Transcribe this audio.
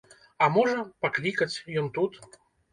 А можа, паклікаць, ён тут.